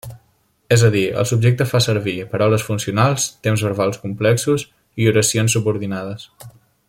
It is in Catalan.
És a dir, el subjecte fa servir paraules funcionals, temps verbals complexos i oracions subordinades.